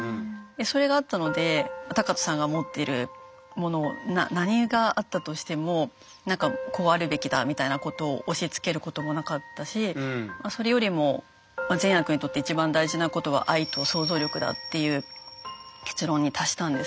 それがあったので学仁さんが持ってるもの何があったとしてもなんかこうあるべきだみたいなことを押しつけることもなかったしそれよりも善悪にとって一番大事なことは愛と想像力だっていう結論に達したんですけど。